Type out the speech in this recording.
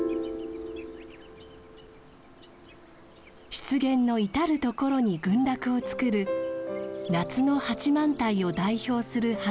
湿原の至る所に群落をつくる夏の八幡平を代表する花です。